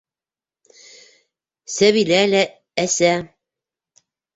Сәбилә лә әсә.